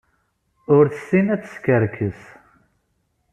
Ur tessin ad teskerkes.